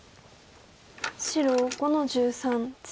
白５の十三ツギ。